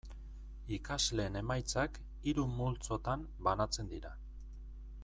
Ikasleen emaitzak hiru multzotan banatzen dira.